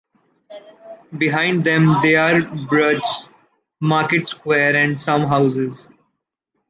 Behind them, they are Bruges Market Square and some houses.